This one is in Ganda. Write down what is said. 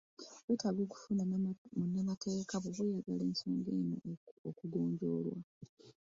Weetaaga okufuna munnamateeka bw'oba oyagala ensonga eno okugonjoolwa.